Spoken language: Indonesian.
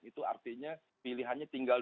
itu artinya pilihannya tinggal